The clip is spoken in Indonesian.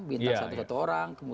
bintang satu satu orang